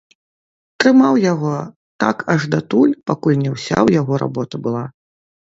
Трымаў яго так аж датуль, пакуль не ўся ў яго работа была.